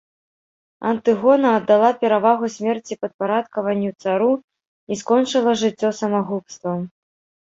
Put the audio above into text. Антыгона аддала перавагу смерці падпарадкаванню цару і скончыла жыццё самагубствам.